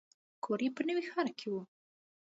کور یې په نوي ښار کې و.